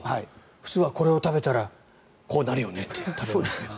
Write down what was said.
普通はこれを食べたらこうなるよねって。